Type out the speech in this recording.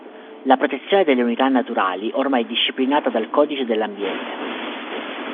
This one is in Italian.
La protezione delle unità naturali ormai è disciplinata dal Codice dell'ambiente.